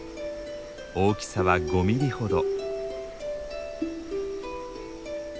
大きさは５ミリほど。